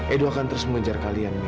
edo akan terus mengejar kalian